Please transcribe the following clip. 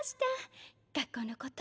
学校のこと